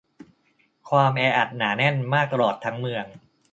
ความแออัดหนาแน่นมากตลอดทั้งเมือง